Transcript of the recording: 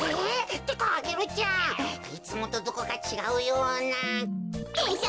ってかアゲルちゃんいつもとどこかちがうような。でしょ。